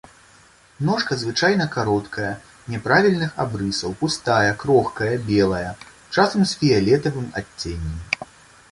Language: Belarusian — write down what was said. Ножка звычайна кароткая, няправільных абрысаў, пустая, крохкая, белая, часам з фіялетавым адценнем.